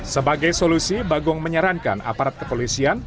sebagai solusi bagong menyarankan aparat kepolisian